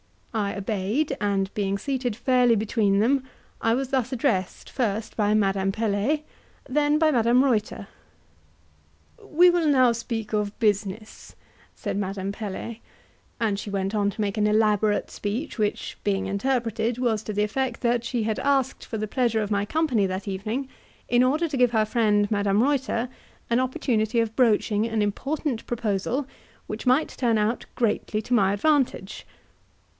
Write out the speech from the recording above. I obeyed; and being seated fairly between them, I was thus addressed first by Madame Pelet, then by Madame Reuter. "We will now speak of business," said Madame Pelet, and she went on to make an elaborate speech, which, being interpreted, was to the effect that she had asked for the pleasure of my company that evening in order to give her friend Madame Reuter an opportunity of broaching an important proposal, which might turn out greatly to my advantage.